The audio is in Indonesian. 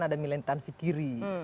ada militansi kiri